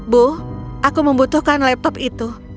bu aku membutuhkan laptop itu